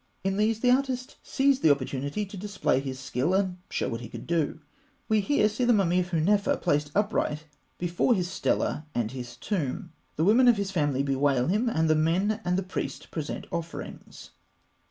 In these, the artist seized the opportunity to display his skill, and show what he could do. We here see the mummy of Hûnefer placed upright before his stela and his tomb (fig. 163). The women of his family bewail him; the men and the priest present offerings.